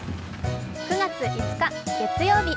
９月５日月曜日